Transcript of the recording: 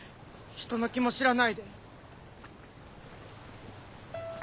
人の気も知らないで。